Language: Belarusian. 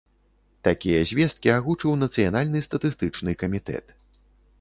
Такія звесткі агучыў нацыянальны статыстычны камітэт.